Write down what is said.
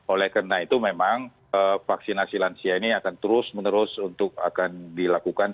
oleh karena itu memang vaksinasi lansia ini akan terus menerus untuk akan dilakukan